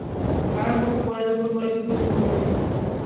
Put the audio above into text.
হারানবাবু পরেশবাবুর ঘরে সুপরিচিত হইয়া উঠিলেন।